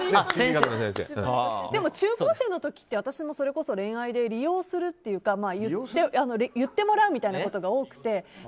でも中高生の時って私も、それこそ恋愛で利用するか言ってもらうみたいなことが多くて。